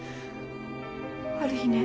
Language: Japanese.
ある日ね。